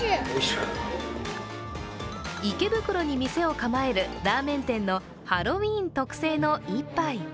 池袋に店を構えるラーメン店のハロウィーン特製の一杯。